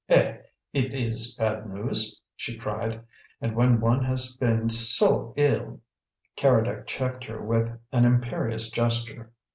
"Eh! it is bad news?" she cried. "And when one has been so ill " Keredec checked her with an imperious gesture.